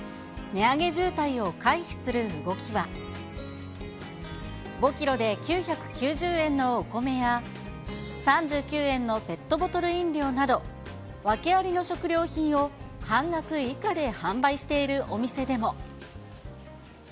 値上げ渋滞を回避する動きは、５キロで９９０円のお米や、３９円のペットボトル飲料など、訳ありの食料品を半額以下で販売しているお店でも。